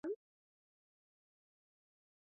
Unaathiri wanyama wengi